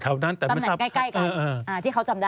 เอ่อแถวนั้นแต่ไม่ทราบตามไหนใกล้กันที่เขาจำได้